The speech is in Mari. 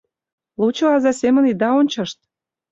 Лучо аза семын ида ончышт!